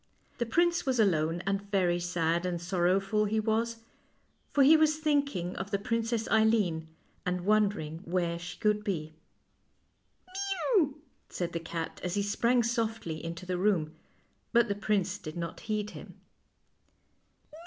The prince was alone, and very sad and sorrowful he was, for he was thinking of the Princess Eileen, and wonder ins: where she could be. O " Mew," said the cat, as he sprang softly into the room; but the prince did not heed him.